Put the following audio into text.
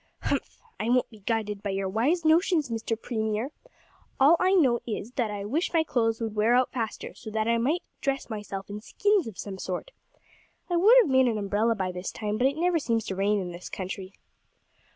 "Humph! I won't be guided by your wise notions, Mr Premier. All I know is, that I wish my clothes would wear out faster, so that I might dress myself in skins of some sort. I would have made an umbrella by this time, but it never seems to rain in this country."